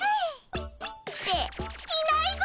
っていないぞ！